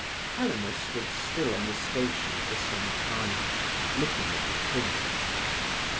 Helena stood still on the station for some time, looking at the print.